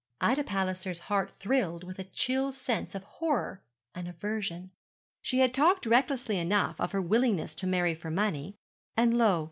Ida Palliser's heart thrilled with a chill sense of horror and aversion. She had talked recklessly enough of her willingness to marry for money, and, lo!